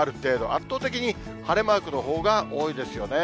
圧倒的に晴れマークのほうが多いですよね。